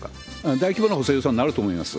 大規模な補正予算になると思います。